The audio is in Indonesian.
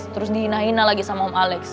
terus dihina hina lagi sama om alex